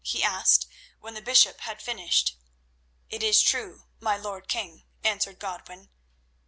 he asked, when the bishop had finished. "It is true, my lord king," answered Godwin.